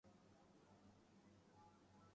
ہر اک سے پوچھتا ہوں کہ ’’ جاؤں کدھر کو میں